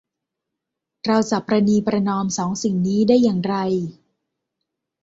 เราจะประนีประนอมสองสิ่งนี้ได้อย่างไร